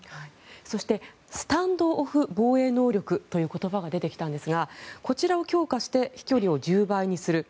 そしてスタンドオフ防衛能力という言葉が出てきたんですがこちらを強化して飛距離を１０倍にする。